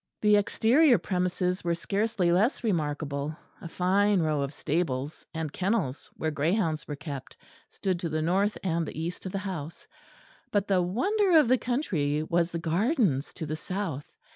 The exterior premises were scarcely less remarkable; a fine row of stables, and kennels where greyhounds were kept, stood to the north and the east of the house; but the wonder of the country was the gardens to the south.